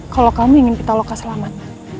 kalau kamu ingin pitaloka selamat